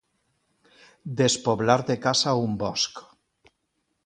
Despoblar de caça un bosc.